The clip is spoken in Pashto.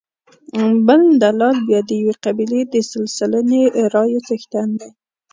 بل دلال بیا د یوې قبیلې د سل سلنې رایو څښتن دی.